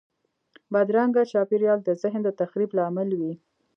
بدرنګه چاپېریال د ذهن د تخریب لامل وي